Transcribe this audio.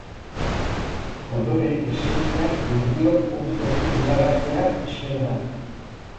Ondoren, presidenteak neurriok publikoki iragartzea espero da.